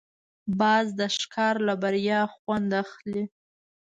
باز د ښکار له بریا خوند اخلي